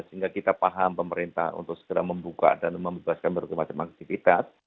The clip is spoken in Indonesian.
sehingga kita paham pemerintah untuk segera membuka dan membebaskan berbagai macam aktivitas